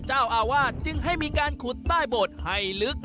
จึงให้มีการขุดใต้โบสถ์ให้ลึก